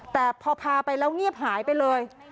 แต่พอพาไปแล้วเงียบหายไปเลย